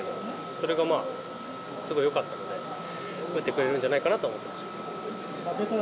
それがすごいよかったので、打ってくれるんじゃないかなとは思ってました。